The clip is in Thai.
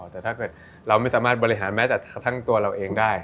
แต่ถ้าเกิดเราไม่สามารถบริหารแม้แต่ทั้งตัวเราเองได้